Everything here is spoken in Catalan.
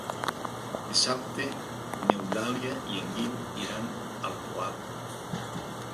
Dissabte n'Eulàlia i en Guim iran al Poal.